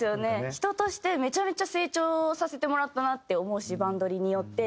人としてめちゃめちゃ成長させてもらったなって思うし『バンドリ！』によって。